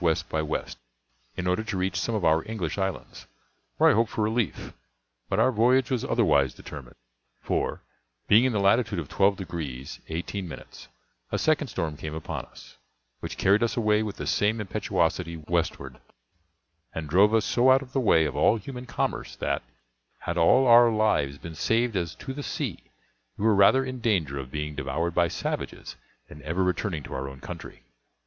W. by W., in order to reach some of our English islands, where I hoped for relief; but our voyage was otherwise determined; for, being in the latitude of twelve degrees eighteen minutes, a second storm came upon us, which carried us away with the same impetuosity westward, and drove us so out of the way of all human commerce that, had all our lives been saved as to the sea, we were rather in danger of being devoured by savages than ever returning to our own country.